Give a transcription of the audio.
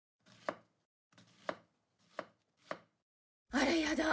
あらやだ。